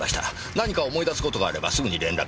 何か思い出す事があればすぐに連絡を。